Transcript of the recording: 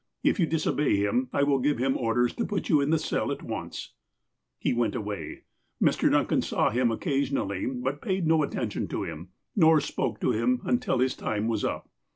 If you disobey him, I will give him orders to put you in the cell at once." He went away. Mr. Duncan saw him occasionally, but paid no attention to him, nor spoke to him, until his time was up.